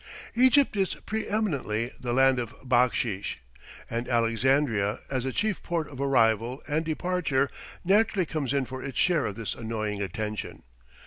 Egypt is pre eminently the land of backsheesh, and Alexandria, as the chief port of arrival and departure, naturally comes in for its share of this annoying attention.